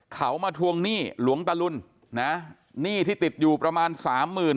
เขามาทวงหนี้หลวงตะลุนนะหนี้ที่ติดอยู่ประมาณสามหมื่น